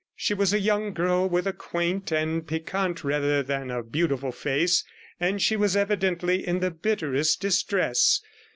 She was a young girl with a quaint and piquant rather than a beautiful face, and she was evidently in the bitterest distress.